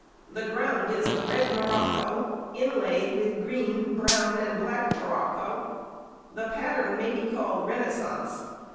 The ground is of red morocco, inlaid with green, brown, and black morocco. The pattern may be called "Renaissance."